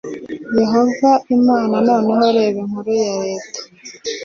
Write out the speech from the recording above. Yehova Imana Noneho reba inkuru ya leta